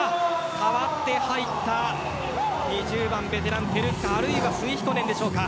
代わって入った２０番・ベテラン、ペルッカあるいはスイヒコネンでしょうか。